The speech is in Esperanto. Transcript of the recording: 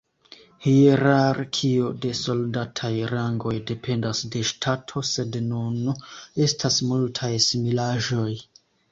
Hierarkio de soldataj rangoj dependas de ŝtato sed nun estas multaj similaĵoj.